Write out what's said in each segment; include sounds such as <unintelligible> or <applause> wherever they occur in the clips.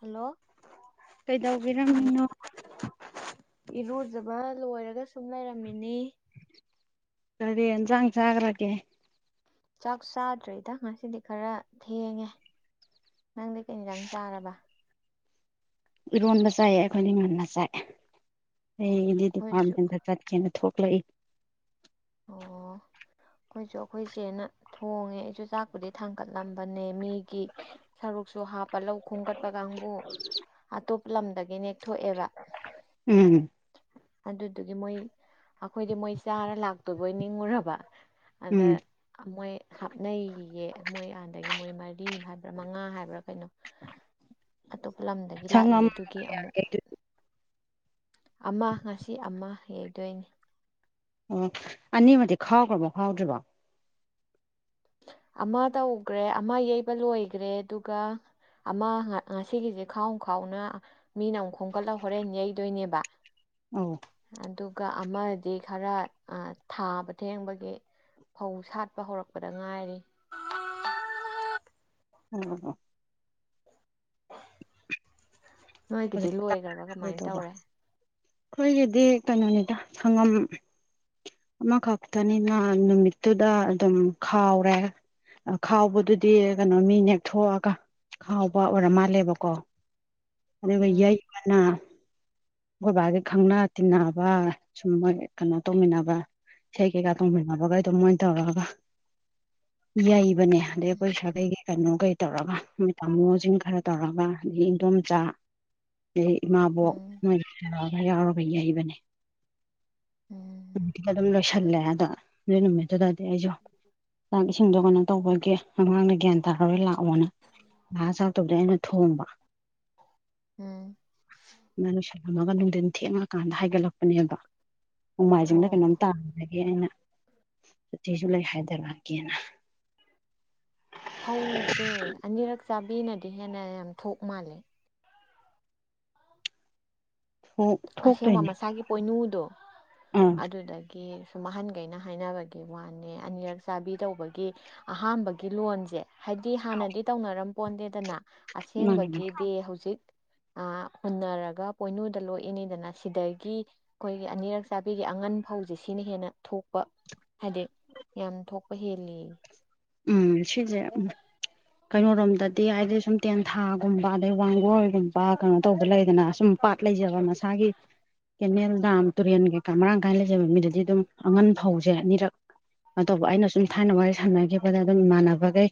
hello ꯀꯩꯗꯧꯕꯤꯔꯝꯃꯤꯅꯣ ꯏꯔꯨꯖꯕ ꯂꯣꯏꯔꯒ ꯁꯨꯝ ꯂꯩꯔꯝꯃꯤꯅꯤ ꯀꯔꯤ ꯌꯦꯟꯖꯥꯡ ꯆꯒ꯭ꯔꯒꯦ ꯆꯥꯛ ꯆꯥꯗ꯭ꯔꯦꯗ ꯉꯁꯤꯗꯤ ꯈꯔ ꯊꯦꯡꯉꯦ ꯅꯪꯗꯤ ꯀꯩꯅꯤꯗꯪ ꯆꯥꯔꯕ ꯏꯔꯣꯟꯕ ꯆꯥꯏꯑ ꯑꯩꯈꯣꯏꯅ ꯉꯟꯅ ꯆꯥꯏꯑꯦ ꯑꯣ ꯑꯩꯗꯤ ꯑꯩꯈꯣꯏꯁꯨ ꯗꯤꯄꯥꯔꯠꯃꯦꯟꯗ ꯆꯠꯀꯦꯅ ꯊꯣꯛ ꯂꯩ ꯑꯣ ꯑꯩꯈꯣꯏꯁꯨ ꯑꯩꯈꯣꯏꯁꯦꯅ ꯊꯣꯡꯉꯦ ꯑꯩꯁꯨ ꯆꯥꯛꯄꯨꯗꯤ ꯊꯥꯡꯒꯠꯂꯝꯕꯅꯦ ꯃꯤ ꯁꯔꯨꯛꯁꯨ ꯍꯥꯞꯄ ꯂꯧ ꯈꯣꯒꯠꯄ ꯀꯥꯡꯕꯨ ꯑꯇꯣꯞꯄ ꯂꯝꯗꯒꯤꯅꯦ ꯊꯣꯛꯑꯦꯕ ꯎꯝ ꯑꯗꯨꯗꯨꯒꯤ ꯃꯣꯏ ꯑꯩꯈꯣꯏꯗꯤ ꯃꯣꯏ ꯆꯥꯔ ꯂꯥꯛꯇꯣꯏꯕꯣꯏ ꯅꯤꯡꯉꯨꯔꯕ ꯑꯗ ꯎꯝ ꯃꯣꯏ ꯍꯥꯞꯅꯦ ꯑꯦ ꯃꯣꯏ ꯑꯥꯟꯗꯒꯤ ꯃꯣꯏ ꯃꯔꯤ ꯍꯥꯏꯕ꯭ꯔꯥ ꯃꯉꯥ ꯍꯥꯏꯕ꯭ꯔꯥ ꯀꯩꯅꯣ <inaudible> ꯑꯇꯣꯞꯄ ꯂꯝꯗꯒꯤ ꯁꯪꯉꯝ ꯂꯥꯛꯏꯌꯦ ꯑꯗꯨꯒꯤ ꯑꯃꯨꯛ ꯑꯃ ꯉꯁꯤ ꯑꯃ ꯌꯩꯗꯣꯏꯅꯤ ꯑꯣ ꯑꯅꯤꯃ ꯈꯥꯎꯈ꯭ꯔꯕ ꯈꯥꯎꯗ꯭ꯔꯤꯕ ꯑꯃ ꯇꯧꯈ꯭ꯔꯦ ꯑꯃ ꯌꯩꯕ ꯂꯣꯏꯈ꯭ꯔꯦ ꯑꯗꯨꯒ ꯑꯃ ꯉꯁꯤꯒꯤꯁꯦ ꯈꯥꯎ ꯈꯥꯎꯅ ꯃꯤꯅ ꯑꯃꯨꯛ ꯈꯣꯝꯒꯠꯂꯒ ꯍꯣꯔꯦꯟ ꯌꯩꯗꯣꯏꯅꯦꯕ ꯑ ꯑꯗꯨꯒ ꯑꯃꯗꯤ ꯈꯔ ꯊꯥꯕ ꯊꯦꯡꯕꯒꯤ ꯐꯧ ꯁꯥꯠꯄ ꯍꯧꯔꯛꯄ ꯐꯗ ꯉꯥꯏꯔꯤ ꯑꯪꯑꯥ ꯅꯣꯏꯒꯤꯗꯤ ꯂꯣꯏꯒꯔꯕ ꯀꯃꯥꯏꯅ ꯇꯧꯔꯦ ꯈꯣꯏꯒꯤꯗꯤ ꯀꯩꯅꯣꯅꯤꯗ ꯁꯪꯉꯝ ꯑꯃꯈꯛꯇꯅꯤꯅ ꯅꯨꯃꯤꯠꯇꯨꯗ ꯑꯗꯨꯝ ꯈꯥꯎꯔꯦ ꯈꯥꯎꯕꯗꯨꯗꯤ ꯀꯩꯅꯣ ꯃꯤ ꯅꯦꯛꯊꯣꯛꯑꯒ ꯈꯥꯎꯕ ꯑꯣꯏꯔ ꯃꯥꯜꯂꯦꯕꯀꯣ ꯑꯗꯨꯅ ꯌꯩ ꯎꯝ ꯑꯥ ꯈꯣꯏ ꯕꯥꯒꯤ ꯈꯪꯅ ꯇꯤꯟꯅꯕ ꯁꯨꯝ ꯃꯣꯏ ꯀꯩꯅꯣ ꯇꯧꯃꯤꯟꯅꯕ ꯏꯁꯩ ꯀꯩꯀꯥ ꯇꯧꯃꯤꯅꯕꯒꯩ ꯗꯨꯝ ꯃꯣꯏ ꯇꯧꯔꯒ ꯌꯩ ꯕꯅꯦ ꯑꯗ ꯈꯣꯏ ꯁꯥꯒꯩꯒꯤ ꯀꯩꯅꯣ ꯀꯩ ꯇꯧꯔꯒ ꯃꯣꯏ ꯇꯥꯃꯣꯖꯤꯡ ꯈꯔ ꯇꯧꯔꯒ ꯑꯗꯒꯤ ꯏꯟꯗꯣꯝꯆꯥ ꯑ ꯏꯃꯥꯕꯣꯛ ꯎꯝ ꯃꯣꯏꯒ ꯌꯥꯎꯔꯒ ꯌꯩꯕꯅꯦ ꯎꯝ ꯅꯨꯃꯤꯠꯇꯨꯗ ꯑꯗꯨꯝ ꯂꯣꯏꯁꯜꯂꯦ ꯑꯗ ꯑꯗꯨ ꯅꯨꯃꯤꯠꯇꯨꯗ ꯑ ꯑꯩꯖꯨ ꯆꯥꯛ ꯏꯁꯤꯡꯗꯣ ꯀꯩꯅꯣ ꯇꯧꯕꯒꯤ ꯑꯉꯥꯡꯅ ꯒ꯭ꯌꯥꯟ ꯇꯥꯔꯔꯣꯏ ꯂꯥꯛꯑꯣꯅ ꯅꯍꯥ ꯆꯥꯛꯇꯨꯕꯨꯗꯤ ꯑꯩꯅ ꯊꯣꯡꯕ ꯎꯝ ꯔꯝꯃꯒ ꯅꯨꯡꯗꯤꯟ ꯊꯦꯡꯉꯀꯥꯟꯗ ꯍꯥꯏꯒꯠꯂꯛꯄꯅꯦꯕ ꯅꯣꯡꯃꯥꯏꯖꯤꯡꯂ ꯀꯩꯅꯣꯝ ꯑꯣ ꯇꯥꯕꯗꯒꯤ ꯑꯩꯅ ꯁꯇꯤꯖꯨꯨ ꯂꯩ ꯍꯥꯏꯗꯔꯛꯀꯦꯅ ꯐꯧꯖꯦ ꯑꯅꯤꯔꯛ ꯆꯥꯕꯤꯅꯗꯤ ꯍꯦꯟꯅ ꯌꯥꯝ ꯊꯣꯛ ꯃꯥꯜꯂꯦ ꯊꯣꯛ ꯑꯁꯦꯡꯕ ꯊꯣꯛꯇꯣꯏꯅꯦ ꯃꯁꯥꯒꯤ ꯄꯣꯏꯅꯨꯗꯣ ꯑꯥ ꯑꯗꯨꯗꯒꯤ ꯁꯨꯝ ꯑꯍꯟꯒꯩꯅ ꯍꯥꯏꯅꯕꯒꯤ ꯋꯥꯅꯦ ꯑꯅꯤꯔꯛ ꯆꯥꯕꯤ ꯇꯧꯕꯒꯤ ꯑꯍꯥꯝꯕꯒꯤ ꯂꯣꯟꯖꯦ ꯍꯥꯏꯗꯤ ꯍꯥꯟꯅꯗꯤ ꯇꯧꯅꯔꯝ ꯄꯣꯟꯇꯦꯗꯅ ꯃꯥꯅꯦ ꯃꯥꯅꯦ ꯑꯁꯦꯡꯕꯒꯤꯗꯤ ꯍꯧꯖꯤꯛ ꯑꯥ ꯍꯨꯟꯅꯔꯒ ꯄꯣꯏꯅꯨꯗ ꯂꯣꯏ ꯏꯅꯤꯗꯅ ꯁꯤꯗꯒꯤ ꯈꯣꯏꯒꯤ ꯑꯅꯤꯔꯛ ꯆꯥꯕꯤꯒꯤ ꯑꯉꯟ ꯐꯧꯖꯦ ꯁꯤꯅ ꯍꯦꯟꯅ ꯊꯣꯛꯄ ꯍꯥꯏꯗꯤ ꯌꯥꯝ ꯊꯣꯛꯄ ꯍꯦꯜꯂꯦꯌꯦ ꯎꯝ ꯁꯤꯖꯦ ꯎꯝ ꯀꯩꯅꯣꯔꯣꯝꯗꯗꯤ ꯍꯥꯏꯗꯤ ꯁꯨꯝ ꯇꯦꯟꯊꯥꯒꯨꯝꯕ ꯑꯗꯩ ꯋꯥꯡꯒꯣꯏꯒꯨꯝꯕ ꯀꯩꯅꯣ ꯇꯧꯕ ꯂꯩꯗꯅ ꯁꯨꯝ ꯄꯥꯠ ꯂꯩ ꯖꯕ ꯃꯁꯥꯒꯤ ꯀꯦꯅꯦꯜ ꯗꯥꯝ ꯇꯨꯔꯦꯟ ꯀꯩꯀꯥ ꯃꯔꯥꯡ ꯀꯥꯏꯅ ꯂꯩꯖꯕ ꯃꯤꯗꯗꯤ ꯑꯗꯨꯝ ꯑꯉꯟ ꯐꯧꯖꯦ ꯑꯅꯤꯔꯛ ꯅꯣ ꯇꯧꯕ ꯑꯩꯅ ꯁꯨꯝ ꯊꯥꯏꯅ ꯋꯥꯔꯤ ꯁꯥꯟꯅꯒꯤꯕꯗ ꯑꯗꯨꯝ ꯏꯃꯥꯟꯅꯕꯒꯩ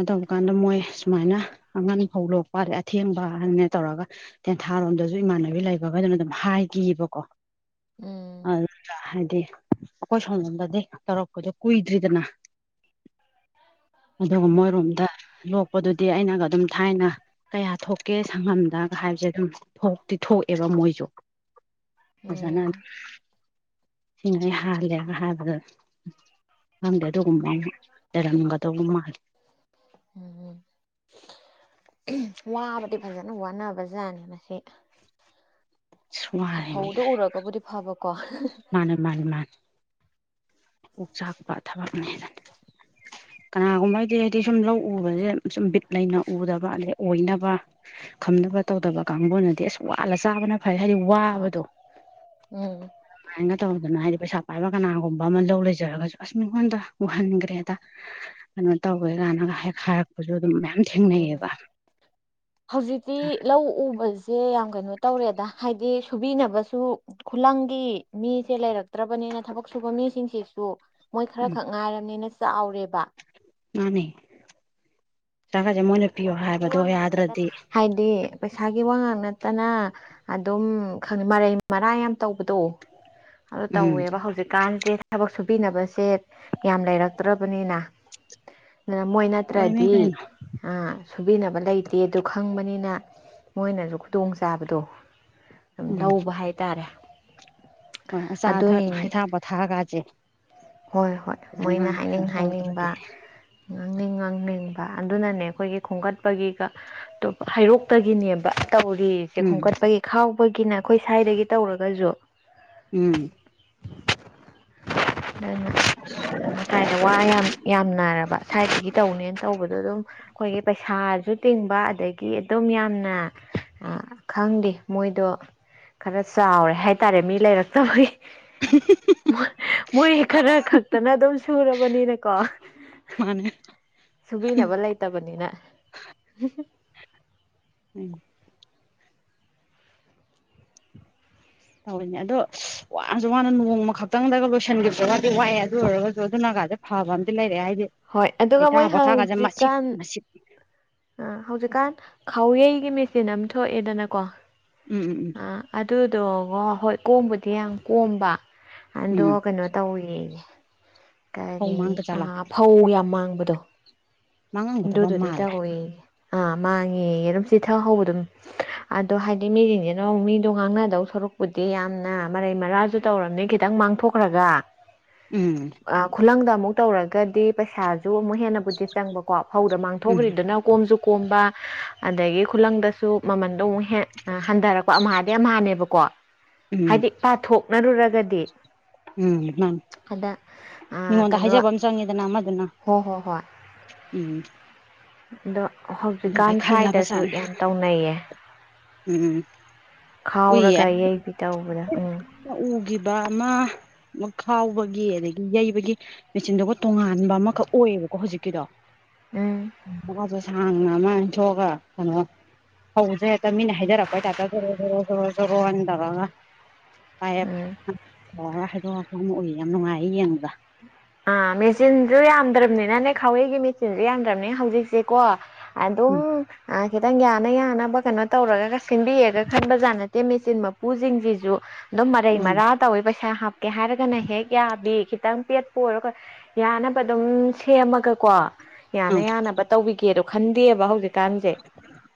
ꯑꯗꯨꯝ ꯀꯥꯟꯗ ꯃꯣꯏ ꯁꯨꯃꯥꯏꯅ ꯑꯉꯟ ꯐꯧ ꯂꯣꯛꯄꯩ ꯑꯊꯦꯡꯕ ꯍꯥꯏꯅ ꯇꯧꯔꯒ ꯇꯦꯟꯊꯥꯔꯣꯝꯗꯖꯨ ꯏꯃꯥꯟꯅꯕꯤ ꯂꯩꯕꯒꯩꯗꯨꯅ ꯗꯨꯝ ꯍꯥꯏꯒꯤꯕꯀꯣ ꯎꯝ ꯑꯗ ꯍꯥꯏꯗꯤ ꯑꯈꯣꯏ ꯁꯣꯂꯣꯝꯗꯗꯤ ꯇꯧꯔꯛꯄꯗꯣ ꯀꯨꯏꯗ꯭ꯔꯤꯗꯅ ꯑꯗꯨꯒ ꯎꯝ ꯃꯣꯏꯔꯣꯝꯗ ꯂꯣꯛꯄꯗꯨꯗꯤ ꯑꯩꯅꯒ ꯑꯗꯨꯝ ꯊꯥꯏꯅ ꯀꯌꯥ ꯊꯣꯛꯀꯦ ꯁꯪꯉꯝꯗ ꯍꯥꯏꯕꯁꯦ ꯑꯗꯨꯝ ꯊꯣꯛꯇꯤ ꯊꯣꯛꯑꯦꯕ ꯃꯣꯏꯖꯨ ꯐꯖꯅ ꯎꯝ ꯁꯤꯦꯡꯉꯥꯏ ꯍꯂꯦꯂꯤꯌꯥ ꯍ ꯍꯝꯗꯗꯣꯡꯕꯅ <inaudible> ꯔꯪꯒ ꯇꯧꯗꯧ ꯃꯥꯂꯦ ꯎꯝ ꯎꯝ ꯋꯥꯕꯗꯤ ꯐꯖꯅ ꯋꯥꯅꯕꯖꯥꯅꯤ ꯃꯁꯤ ꯑꯁ ꯍ ꯋꯥꯔꯦꯃꯤ ꯐꯧꯗꯨ ꯎꯔꯒꯕꯨꯗꯤ ꯐꯕ ꯃꯥꯅꯦ ꯃꯥꯅꯦ ꯃꯥꯅꯦ ꯀꯣꯛ ꯆꯥꯛꯄ ꯊꯕꯛꯅꯤꯗ ꯀꯅꯥꯒꯨꯝꯕ ꯍꯥꯏꯗꯤ ꯍꯥꯏꯗꯤ ꯁꯨꯝ ꯂꯧ ꯎꯕꯖꯦ ꯁꯨꯝ ꯕꯤꯠ ꯂꯩꯅ ꯎꯗꯕ ꯑꯗꯩ ꯑꯣꯏꯅꯕ ꯈꯝꯅꯕ ꯇꯧꯗꯕ ꯀꯥꯡꯕꯨꯅꯗꯤ ꯑꯁ ꯋꯥꯜꯂ ꯆꯥꯕꯅ ꯐ ꯐꯩ ꯍꯥꯏꯗꯤ ꯍꯣꯏ ꯋꯥꯕꯗꯣ ꯎꯝ ꯑꯗꯨꯃꯥꯏꯅ ꯇꯧꯗꯅ ꯍꯥꯏꯗꯤ ꯄꯩꯁꯥ ꯄꯥꯏꯕ ꯀꯅꯥꯒꯨꯝꯕ ꯑꯃ ꯂꯧ ꯂꯩꯖꯔꯒꯖꯨ ꯑꯁ ꯃꯤꯉꯣꯟꯗ ꯎꯍꯟꯒꯔ꯭ꯦꯗ ꯀꯩꯅꯣ ꯇꯧꯋꯦ ꯒꯥꯌꯅꯒ ꯍꯦꯛ ꯍꯥꯏꯔꯛꯄ ꯑꯗꯨꯝ ꯃꯌꯥꯝ ꯎꯝ ꯊꯦꯡꯅꯩꯌꯕ ꯍꯧꯖꯤꯛꯇꯤ ꯂꯧ ꯎꯕꯖ ꯁꯦ ꯌꯥꯝ ꯀꯩꯅꯣ ꯇꯧꯔꯦꯗ ꯍꯥꯏꯗꯤ ꯁꯨꯕꯤꯅꯕꯁꯨ ꯈꯨꯂꯪꯒꯤ ꯃꯤꯁꯦ ꯂꯩꯔꯛꯇ꯭ꯔꯕꯅꯤ ꯅ ꯊꯕꯛ ꯁꯨꯕ ꯃꯤꯁꯤꯡꯁꯤꯁꯨ ꯃꯣꯏ ꯈꯔ ꯎꯝ ꯈꯛ ꯉꯥꯏꯔꯕꯅꯤꯅ ꯆꯥꯎꯔꯦꯕ ꯃꯥꯅꯦ ꯁꯥꯒꯖꯦ ꯃꯣꯏꯅ ꯄꯤꯌꯣ ꯄꯩꯁꯥꯒꯤ ꯍꯥꯏꯕꯗꯣ ꯋꯥ ꯉꯥꯛ ꯅꯠꯇꯅ ꯌꯥꯗ꯭ꯔꯗꯤ ꯍꯥꯏꯗꯤ ꯄꯩꯁꯥꯒꯤ ꯋꯥꯉꯥꯡ ꯅꯠꯇꯅ ꯑꯗꯨꯝ ꯈꯪ ꯃꯔꯩ ꯃꯔꯥꯡ ꯌꯥꯝ ꯇꯧꯕꯗꯣ ꯑꯣ ꯎꯝ ꯇꯧꯋꯦꯕ ꯍꯧꯖꯤꯛꯀꯥꯟꯁꯦ ꯊꯕꯛ ꯁ ꯍꯥꯞꯄꯤꯅꯕꯁꯦ ꯌꯥꯝ ꯂꯩꯔꯛꯇ꯭ꯔꯕꯅꯤꯅ ꯑꯗꯨ ꯃꯣꯏ ꯇꯧꯔꯤꯅꯤ ꯅꯠꯇ꯭ꯔꯗꯤ ꯀꯩꯅꯣ ꯁꯨꯕꯤꯅꯕ ꯂꯩꯇꯦ ꯑꯗꯨ ꯈꯪꯕꯅꯤꯅ ꯃꯣꯏꯅꯁꯨ ꯈꯨꯗꯣꯡꯆꯥꯥꯕꯗꯣ ꯎꯝ ꯂꯧꯕ ꯍꯥꯏꯇꯥꯔꯦ ꯍꯣꯏ ꯑꯆꯥ ꯑꯗꯨ ꯑꯊꯛ ꯑꯣꯏꯅꯦ ꯍꯩꯊꯥ ꯄꯣꯊꯥꯒꯁꯦ ꯍꯣꯏ ꯍꯣꯏ ꯐꯖꯅ ꯃꯣꯏꯅ ꯍꯥꯏꯅꯤꯡ ꯀꯩꯅꯣ ꯍꯥꯏꯅꯤꯡꯕ ꯇꯧꯗ꯭ꯔꯗꯤ ꯉꯥꯡꯅꯤꯡ ꯉꯥꯡꯅꯤꯡ ꯑꯗꯨꯅꯅꯦ ꯑꯩꯈꯣꯏꯒꯤ ꯈꯣꯝꯒꯠꯄꯒꯤꯒ ꯍꯩꯔꯣꯛꯇꯒꯤꯅꯦꯕ ꯇꯧꯔꯤꯁꯦ ꯎꯝ ꯈꯣꯝꯀꯠꯄꯒꯤ ꯈꯥꯎꯕꯒꯤꯅ ꯑꯩꯈꯣꯏ ꯁ꯭ꯋꯥꯏꯗꯒꯤ ꯇꯧꯔꯒꯁꯨ ꯎꯝ ꯑꯗꯨꯃ ꯁꯁ꯭ꯋꯥꯏꯗ ꯋꯥ ꯌꯥꯝ ꯌꯥꯝꯅꯔꯕ ꯁ꯭ꯋꯥꯏꯗꯒꯤ ꯇꯧꯅꯦꯅ ꯇꯧꯕꯗꯣ ꯑꯗꯨꯝ ꯑꯩꯈꯣꯏꯒꯤ ꯄꯩꯁꯥ ꯁꯥꯁꯨ ꯇꯤꯡꯕ ꯑꯗꯒꯤ ꯑꯗꯨꯝ ꯌꯥꯝꯅ ꯈꯪꯗꯦ ꯃꯣꯏꯗꯣ ꯈꯔ ꯆꯥꯎꯔꯦ ꯍꯥꯏꯇꯥꯔꯦ ꯃꯤ ꯂꯩꯔꯛꯇꯕꯒꯤ <inaudible> ꯃꯣꯏ ꯈꯔ ꯈꯛꯇꯅ ꯑꯗꯨꯝ ꯁꯨꯔꯕꯅꯤꯅꯀꯣ ꯃꯥꯅꯦ ꯁꯨꯕꯤꯅꯕ ꯂꯩꯇꯕꯅꯤꯅ ꯎꯝ ꯇꯧꯅꯦ ꯑꯗꯣ ꯋꯥꯅꯁꯨ ꯋꯥꯅ ꯅꯣꯡꯃ ꯈꯛꯇꯪꯗꯒ ꯂꯣꯏꯁꯤꯟꯈꯤꯕ꯭ꯔꯒꯗꯤ ꯋꯥꯏꯑꯦ ꯑꯗꯨ ꯑꯣꯏꯔꯒꯁꯨ ꯑꯗꯨꯅ ꯦ ꯐꯥꯎꯕꯗꯤ ꯂꯩꯔꯦ ꯍꯥꯏ ꯍꯣꯏ ꯑꯗꯨꯒ ꯃꯣꯏ ꯍꯧꯖꯤꯛꯀꯥꯟ ꯃꯁꯤꯠ ꯍꯧꯖꯤꯛꯀꯥꯟ ꯈꯥꯎꯋꯩꯒꯤ ꯃꯦꯆꯤꯟ ꯑꯃ ꯊꯣꯛꯑꯦꯗꯅꯀꯣ ꯎꯝ ꯎꯝ ꯎꯝ ꯑ ꯑꯗꯨ ꯑꯗꯨꯒ ꯍꯣꯏ ꯀꯣꯝꯕꯗꯤ ꯌꯥꯝ ꯀꯣꯝꯕ ꯑꯗꯣ ꯎꯝ ꯀꯩꯅꯣ ꯇꯧꯋꯅꯦ ꯐꯧ ꯀꯔꯤ ꯃꯥꯡꯗ ꯖꯥꯠꯂꯥ ꯐꯧ ꯌꯥꯝ ꯃꯥꯡꯕꯗꯣ ꯃꯥꯡꯉꯝꯒꯗꯕ ꯑꯗꯨꯗꯨꯗꯤ ꯃꯥꯜꯂꯦ ꯇꯧꯋ ꯑꯥ ꯃꯥꯡꯉꯦ ꯑꯗꯨꯝ ꯆꯤꯊ ꯍꯧꯕ ꯑꯗꯨꯝ ꯑꯗꯣ ꯍꯥꯏꯗꯤ ꯃꯤꯁꯤꯡꯁꯤꯅ ꯃꯤꯗꯣ ꯉꯥꯡꯅꯗꯧ ꯊꯣꯔꯛꯄꯨꯗꯤ ꯌꯥꯝꯅ ꯃꯔꯩ ꯃꯔꯥꯁꯨ ꯇꯧꯔꯝꯅꯤ ꯈꯤꯇꯪ ꯃꯥꯡ ꯊꯈ꯭ꯔꯥꯒ ꯎꯝ ꯈꯨꯂꯪꯗ ꯑꯃꯨꯛ ꯇꯧꯔꯒꯗꯤ ꯄꯩꯁꯥꯁꯨ ꯑꯃꯨꯛ ꯍꯦꯟꯅꯕꯨꯗꯤ ꯆꯪꯕꯀꯣ ꯐꯧꯗ ꯎꯝ ꯃꯥꯡꯊꯣꯛꯈ꯭ꯔꯤꯗꯨꯅ ꯀꯣꯝꯁꯨ ꯀꯣꯝꯕ ꯑꯗꯒꯤ ꯈꯨꯂꯪꯗꯁꯨ ꯃꯃꯟ ꯑꯃꯨꯛ ꯍꯟꯊꯔꯛꯄ ꯑꯃꯥꯗꯤ ꯑꯃꯅꯦꯕꯀꯣ ꯎꯝ ꯍꯥꯏꯗꯤ ꯄꯥꯊꯣꯛ ꯅꯛꯅꯔꯨꯔꯒꯗꯤ ꯎꯝ ꯅꯥꯟ ꯑ ꯃꯤꯉꯣꯟꯗ ꯀꯩꯅꯣ ꯍꯥꯏꯖꯕ ꯑꯃ ꯆꯪꯉꯦꯗꯅ ꯑꯃꯗꯨꯅ ꯍꯣ ꯍꯣ ꯍꯣꯏ ꯎꯝ ꯑꯗꯣ ꯍꯧꯖꯤꯛꯀꯥꯟ ꯑꯗꯨꯃꯥꯏ ꯁ꯭ꯋꯥꯏꯗꯁꯨ ꯈꯜꯂꯕꯖꯥꯠꯅꯤ ꯌꯥꯝ ꯇꯧꯅꯩꯌꯦ ꯎꯝ ꯎꯏ ꯈꯥꯎꯔꯒ ꯌꯩꯕꯤ ꯇꯧꯕꯗ ꯎꯝ ꯎꯒꯤ ꯑꯃ ꯈꯥꯎꯕꯒꯤ ꯑꯗꯒꯤ ꯌꯩꯕꯒꯤ ꯃꯦꯆꯤꯟꯗꯣ ꯇꯣꯉꯥꯟꯕ ꯑꯃꯈꯛ ꯑꯣꯏꯌꯦꯕꯀꯣ ꯍꯧꯖꯤꯛꯀꯤꯗꯣ ꯎꯝ ꯁꯥꯡꯅ ꯑꯃ ꯏꯟꯊꯣꯛꯑꯒ ꯀꯩꯅꯣ ꯍꯧꯁꯦ ꯍꯦꯛꯇ ꯃꯤꯅ ꯍꯥꯏꯖꯔꯛꯄꯩ ꯇꯥꯏꯞꯇ ꯇꯟ ꯇꯔꯒ ꯐꯌꯦꯞ ꯎꯝ ꯇ ꯍꯥꯏꯗꯣꯛ ꯍꯥꯏꯄ ꯑꯃ ꯎꯏ ꯌꯥꯝ ꯅꯨꯡꯉꯥꯏ ꯌꯦꯡꯗ ꯑꯥ ꯃꯦꯆꯤꯟꯁꯨ ꯌꯥꯝꯗ꯭ꯔꯕꯅꯤꯅꯅꯦ ꯈꯋꯦꯒꯤ ꯃꯦꯆꯤꯟꯁꯨ ꯌꯥꯝꯗ꯭ꯔꯕꯅꯤ ꯍꯧꯖꯤꯛꯁꯦ ꯀꯣ ꯑꯗꯣ ꯎꯝ ꯈꯤꯇꯪ ꯌꯥꯅ ꯌꯥꯅꯕ ꯀꯩꯅꯣ ꯇꯧꯔꯒ ꯁꯦꯝꯟꯕꯤꯔꯒ ꯈꯟꯕꯖꯥꯠ ꯅꯠꯇꯦ ꯃꯦꯆꯤꯟ ꯃꯄꯨꯁꯤꯡꯁꯤꯁꯨ ꯑꯗꯨꯝ ꯃꯔꯩ ꯎꯝ ꯃꯔꯥ ꯇꯧꯋꯤ ꯄꯩꯁꯥ ꯍꯥꯞꯀꯦ ꯍꯥꯏꯔꯒꯅ ꯍꯦꯛ ꯌꯥꯕꯤ ꯈꯤꯇꯪ ꯄꯦꯠꯄ ꯑꯣꯏꯔꯣꯒ ꯌꯥꯅꯕ ꯑꯗꯨꯝ ꯁꯦꯝꯃꯒꯀꯣ ꯌꯥꯅ ꯎꯝ ꯌꯥꯅꯕ ꯇꯧꯕꯤ ꯀꯦꯗꯣ ꯈꯟꯗꯦꯕ ꯍꯧꯖꯤꯛꯀꯥꯟꯁꯦ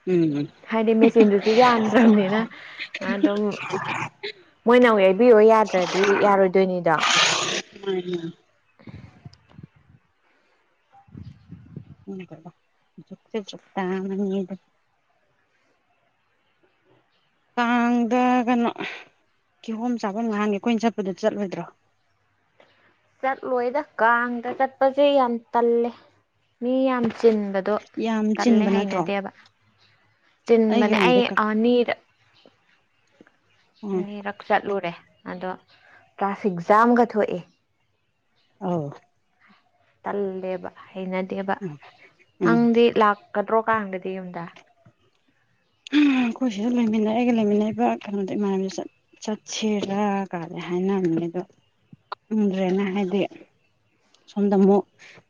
ꯎꯝ ꯍꯥꯏꯗꯤ ꯃꯦꯆꯤꯟꯗꯨꯁꯨ ꯌꯥꯝꯗ꯭ꯔꯕꯅꯤꯅ ꯑꯗꯨꯝ ꯃꯣꯏꯅ ꯑꯃꯨꯛ ꯌꯥꯏꯕꯤꯌꯣ ꯌꯥꯗ꯭ꯔꯗꯤ ꯌꯥꯔꯣꯏꯗꯣꯏꯅꯤꯗꯣ ꯎꯝ ꯍꯗ ꯀꯥꯡꯗ ꯀꯩꯅꯣ ꯀꯤꯍꯣꯝ ꯆꯥꯐꯝ ꯉꯍꯥꯡꯒꯦ ꯑꯩꯈꯣꯏꯅ ꯆꯠꯄꯗ ꯆꯠꯂꯣꯏꯗ꯭ꯔꯣ <unintelligible> ꯆꯠꯂꯣꯏꯗ ꯀꯥꯡꯒ ꯆꯠꯄꯁꯦ ꯌꯥꯝ ꯇꯜꯂꯦ ꯃꯤ ꯌꯥꯝ ꯆꯤꯟꯕꯗꯣ ꯌꯥꯝ ꯇꯜꯂꯦ ꯆꯤꯟꯕ ꯅꯠꯇ꯭ꯔꯣ ꯍꯩꯅꯗꯦꯕ ꯇꯤꯟꯚ ꯑꯩꯒꯤ ꯑꯣꯏꯅꯗꯤ ꯀ ꯑꯩꯅꯤꯔ ꯎꯝ ꯑꯅꯤꯔꯛ ꯆꯠꯂꯨꯔꯦ ꯑꯗꯣ ꯇ꯭ꯔꯥꯐꯤꯛ ꯖꯥꯝꯒ ꯊꯣꯛꯑꯦ ꯑꯥꯎ ꯇꯜꯂꯦꯕ ꯍꯩꯅꯗꯦꯕ ꯎꯝ ꯎꯝ ꯅꯪꯗꯤ ꯂꯥꯛꯀꯗ꯭ꯔꯣ ꯀꯥꯡꯒꯗꯤ ꯌꯨꯝꯗ ꯎꯝ ꯑꯩꯈꯣꯏ ꯁꯤꯗ ꯂꯩꯃꯤꯟꯅꯔꯒ ꯂꯩꯃꯤꯟꯅꯕ ꯀꯩꯅꯣꯗꯣ ꯏꯃꯥꯟꯅꯗ ꯆꯠꯁꯤꯔꯥ ꯀꯗ ꯍꯥꯏꯅꯔꯝꯃꯤ ꯎ꯭ꯔꯦ ꯅ ꯍꯥꯏꯗꯤ ꯁꯣꯝꯗ ꯑꯃꯨꯛ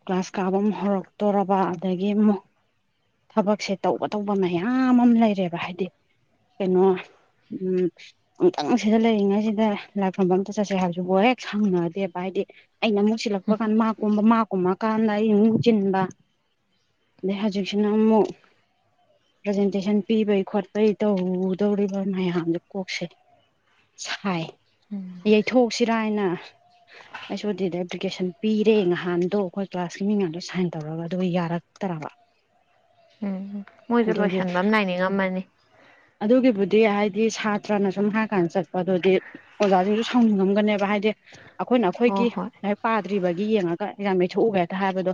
ꯒ꯭ꯂꯥꯁ ꯀꯥꯕ ꯑꯃ ꯍꯧꯔꯛꯇꯣꯔꯔꯕ ꯑꯗꯒꯤ ꯑꯃꯨꯛ ꯊꯕꯛꯁꯦ ꯇꯧꯕ ꯇꯧꯕ ꯃꯌꯥꯝ ꯑꯃ ꯂꯩꯔꯦꯕ ꯍꯥꯏꯗꯤ ꯀꯩꯅꯣ ꯎꯝ ꯑꯛꯇꯪ ꯁꯤꯗ ꯂꯩꯔꯤꯉꯩꯁꯤꯗ ꯂꯥꯏꯛꯐꯝꯝꯕ ꯑꯝꯇ ꯆꯠꯁꯦ ꯍꯥꯏꯕꯁꯨ ꯍ ꯍꯦꯛ ꯁꯪꯅꯗꯦꯕ ꯍꯥꯏꯗꯤ ꯑꯩꯅ ꯑꯃꯨꯛ ꯁꯤꯜꯂꯛꯄ ꯀꯥꯟꯗ ꯃꯥ ꯀꯨꯝꯕ ꯃꯥ ꯀꯨꯝꯃꯀꯥꯟꯗ ꯑ ꯅꯨꯡ ꯆꯤꯟꯕ ꯑꯗꯩ ꯍꯧꯖꯤꯛ ꯏꯅꯃꯨ ꯄ꯭ꯔꯖꯦꯟꯇꯦꯁꯟ ꯄꯤꯕꯩ ꯈꯣꯠꯄꯩ ꯇꯧꯗꯧꯔꯤꯕ ꯃꯌꯥꯝꯗꯨ ꯀꯣꯛꯁꯦ ꯁꯥꯏ ꯎꯝ ꯌꯩꯊꯣꯛꯁꯤꯔꯅ ꯑꯩꯁꯨ ꯑꯗꯨꯗꯤ ꯑꯦꯄ꯭ꯂꯤꯀꯦꯁꯟ ꯄꯤꯔꯦ ꯉꯍꯥꯟꯗꯣ ꯑꯩꯈꯣꯏ ꯀ꯭ꯂꯥꯁꯀꯤ ꯃꯤ ꯉꯥꯡꯗꯣ ꯁꯥꯏꯟ ꯇꯧꯔꯒ ꯑꯗꯨꯒ ꯌꯥꯔꯛ ꯇꯔꯕ ꯎꯝ ꯃꯣꯏꯁꯨ ꯂꯣꯏꯁꯤꯟꯕ ꯑꯃ ꯅꯥꯅꯤꯡꯉꯝꯃꯅꯤ ꯑꯗꯨꯒꯤꯕꯨꯗꯤ ꯍꯥꯏꯗꯤ ꯁꯥꯇ꯭ꯔꯅ ꯁꯨꯝ ꯍꯥꯏꯀꯥꯟꯗ ꯆꯠꯄ ꯑꯗꯨꯗꯤ ꯑꯣꯖꯥꯁꯤꯡꯁꯨ ꯁꯥꯎꯅꯤꯡꯉꯝꯒꯅꯦꯕ ꯍꯥꯏꯗꯤ ꯁꯦ ꯑꯩꯈꯣꯏꯅ ꯍꯣ ꯑꯩꯈꯣꯏꯒꯤ ꯍꯣꯏ ꯉꯥꯏ ꯄꯥꯗ꯭ꯔꯤꯕꯒꯤ ꯌꯦꯡꯉꯒ ꯑꯦꯟꯖꯥꯡ ꯌꯩꯊꯣꯛꯎꯒꯦꯛꯇ ꯍꯥꯏꯕꯗꯣ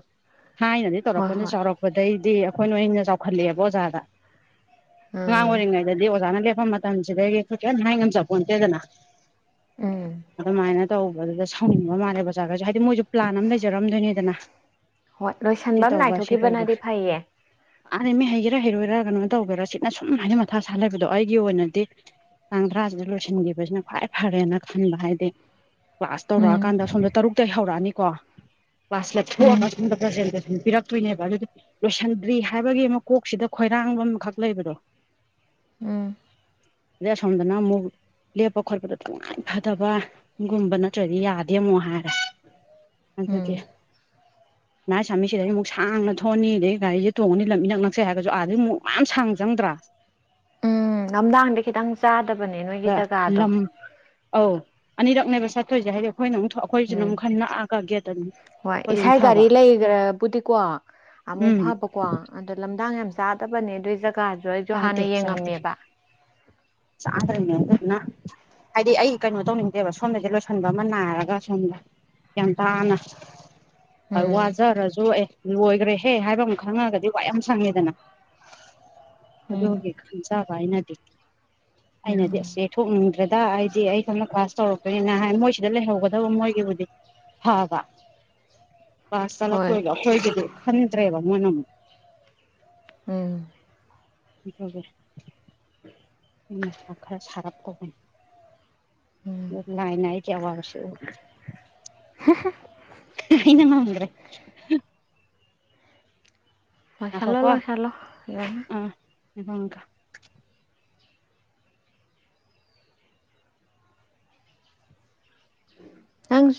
ꯊꯥꯏꯅꯗꯤ ꯍꯣꯏ ꯇꯧꯔꯛꯄꯅ ꯍꯣꯏ ꯆꯥꯎꯔꯛꯄꯗꯩꯗꯤ ꯑꯩꯈꯣꯏꯅꯣꯏꯟꯅ ꯆꯥꯎꯈꯠꯂꯛꯑꯦꯕ ꯑꯣꯖꯥꯗ ꯑꯉꯥꯡ ꯎꯝ ꯑꯣꯏꯔꯤꯉꯩꯗꯗꯤ ꯑꯣꯖꯥꯅ ꯂꯦꯞꯄ ꯃꯇꯝꯁꯤꯗꯗꯒꯤꯁꯨ ꯀꯪ ꯍꯥꯏ ꯉ ꯆꯄꯣꯟꯇꯦꯗꯅ ꯎꯝ ꯑꯗ ꯃꯥꯥꯏꯅ ꯇ ꯑ ꯊꯥꯎꯅꯤꯡꯕ ꯃꯥꯜꯂꯦ ꯕꯖꯥꯔꯗꯁꯨ ꯍꯥꯏꯗꯤ ꯃꯣꯏꯁꯨ ꯄ꯭ꯂꯥꯟ ꯑꯃ ꯂꯩꯖꯔꯝꯗꯣꯏꯅꯤꯗꯅ ꯍꯣꯏ ꯁꯤ ꯂꯣꯏꯁꯟꯕ ꯑꯃ ꯇꯧꯕ ꯁꯤ ꯇꯧꯕ ꯅꯥꯏꯊꯣꯛꯈꯤꯕꯅꯗꯤ ꯐꯩꯌꯦ ꯑꯥ ꯃꯤ ꯍꯩꯒꯦꯔꯥ ꯍꯩꯔꯣꯏ ꯔ ꯀꯩꯅꯣ ꯇꯧꯧꯕꯦꯔꯥ ꯁꯤꯅ ꯁꯨꯝ ꯍꯥꯏꯗꯤ ꯃꯊꯥ ꯁꯥ ꯂꯩꯕꯗꯣ ꯑꯩꯒꯤ ꯑꯣꯏꯅꯗꯤ ꯇꯥꯡ ꯇ꯭ꯔꯥꯁꯤꯗ ꯂꯣꯏꯁꯤꯟꯈꯤꯕꯁꯤꯅ ꯈ꯭ꯋꯥꯏ ꯐꯔꯦꯅ ꯈꯟꯕ ꯍꯥꯏꯗꯤ ꯀ꯭ꯂꯥꯁ ꯎꯝ ꯇꯧꯔꯛꯑꯀꯥꯟꯗ ꯁꯣꯝꯗ ꯇꯔꯨꯛꯇꯒꯤ ꯍꯧꯔꯛꯑꯅꯤꯀꯣ ꯀ꯭ꯂꯥꯁ ꯎꯝ ꯂꯞꯊꯣꯛꯑꯒ ꯁꯣꯝꯗ꯭ꯔꯖ ꯄꯤꯔꯛꯇꯣꯏꯅꯦꯕ ꯑꯗꯨꯗꯤ ꯂꯣꯏꯁꯤꯟꯗ꯭ꯔꯤ ꯍꯥꯏꯕꯒꯤ ꯑꯃ ꯀꯣꯛꯁꯤꯗ ꯈꯣꯏꯔꯥꯡꯕ ꯑꯃꯈꯛ ꯂꯩꯕꯗꯣ ꯎꯝ ꯏꯦ ꯁꯝꯗꯅ ꯃꯨꯛ ꯂꯦꯞꯄ ꯈꯣꯠꯄꯗ ꯇꯉꯥꯏ ꯐꯗꯕꯒꯨꯝꯕ ꯅꯠꯇ꯭ꯔꯗꯤ ꯌꯥꯗꯦ ꯑꯃꯨꯛ ꯍꯥꯏꯔꯦ ꯎꯝ ꯑꯗꯨꯗꯗꯤ ꯉ ꯆꯥꯃꯤꯁꯤꯗꯩ ꯑꯃꯨꯛ ꯁꯥꯡꯅ ꯊꯣꯡꯑꯅꯤ ꯑꯗꯗꯒꯤ ꯒꯥꯔꯤꯁꯦ ꯇꯣꯡꯉꯅꯤ ꯂꯝ ꯏꯅꯛ ꯅꯛꯁꯦ ꯍꯥꯏꯔꯒꯁꯨ ꯑꯥꯗꯒꯤ ꯑꯃꯨꯛ ꯃꯌꯥꯝ ꯁꯥꯡ ꯆꯪꯗ꯭ꯔꯥ ꯎ ꯂꯝꯝꯗꯥꯡꯗ ꯈꯤꯇꯪ ꯆꯥꯗꯕ ꯑ ꯂꯝ ꯑ ꯑꯅꯤꯔꯛꯅꯦꯕ ꯆꯥꯠꯇꯣꯏꯁꯦ ꯍꯥꯏꯗꯤ ꯑꯩꯈꯣꯏꯅ ꯑꯃꯨꯛ ꯑꯩꯈꯣꯏꯁꯤꯅ ꯎꯝ ꯑꯃꯨꯛ ꯈꯟꯅ ꯅꯛꯑꯒꯦꯠꯠꯇꯅꯤ ꯍꯣꯏ ꯏꯁꯥ ꯒꯥꯔꯤ ꯂꯩꯈ꯭ꯔꯕꯨꯗꯤꯀꯣ ꯑꯃꯨꯛ ꯎꯝ ꯐꯕꯀꯣ ꯑꯗꯣ ꯂꯝꯗꯥꯡ ꯌꯥꯝ ꯆꯥꯗꯕꯅꯦ ꯑꯗꯨꯏ ꯖꯒꯥꯗꯨ ꯑꯩꯁꯨ ꯆꯥꯗꯦ ꯍꯥꯟꯅ ꯌꯦꯡꯉꯝꯃꯦꯕ ꯆꯥꯇꯔꯅꯅ ꯍꯥꯏꯗꯤ ꯑꯩ ꯀꯩꯅꯣ ꯇꯧꯅꯤꯡꯗꯦꯕ ꯁꯣꯝꯗꯁꯦ ꯂꯣꯏꯁꯤꯟꯕ ꯑꯃ ꯅꯥꯔꯒ ꯁꯣꯝꯗ ꯒ꯭ꯌꯥꯟ ꯇꯥꯅ ꯎꯝ ꯋꯥꯖꯔꯁꯨ ꯑꯦ ꯂꯣꯏꯈ꯭ꯔꯦ ꯍꯦ ꯍꯥꯏꯕ ꯑꯃ ꯈꯪꯉꯒꯗꯤ ꯋꯥ ꯌꯥꯝ ꯁꯪꯉꯦꯗꯅ ꯎꯝ ꯑꯗꯨꯒꯤ ꯈꯟꯆ ꯀꯥꯏꯅ ꯇꯠꯇ ꯑꯩꯅꯗꯤ ꯑꯁ ꯎꯝ ꯆꯊꯣꯛꯅꯤꯡꯗ꯭ꯔꯦꯗ ꯑꯩꯗꯤ ꯑꯩ ꯊꯪꯅ ꯀ꯭ꯂꯥꯁ ꯇꯧꯔꯛꯄꯅꯤꯅ ꯍꯥꯏ ꯃꯣꯏꯁꯤꯗ ꯂꯩꯍꯧꯒꯗꯕ ꯃꯣꯏꯒꯤꯕꯨꯗꯤ ꯍꯥꯎ ꯋꯥ ꯍꯣꯏ ꯋꯥꯁꯂꯣꯏ ꯂꯣꯏꯗꯤ ꯑꯅꯤꯗ꯭ꯔꯕ ꯃꯅ ꯎꯝ ꯏ ꯈꯕꯔ ꯑꯩ ꯃꯇꯥ ꯁꯥꯔꯞ ꯄꯒꯤꯅꯦ ꯎꯝ ꯂꯏ ꯅꯥꯏ ꯀ ꯑꯋꯥꯕꯁꯨꯕꯤ <unintelligible> ꯏꯅ ꯃꯥꯗ꯭ꯔꯔꯤ ꯍꯣꯏ ꯆꯂꯣ ꯂꯣ ꯆꯂꯣ ꯍꯗ ꯊꯦꯡꯨ